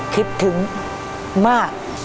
คิดถึงมาก